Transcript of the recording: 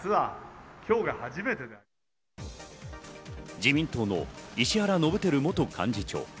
自民党の石原伸晃元幹事長。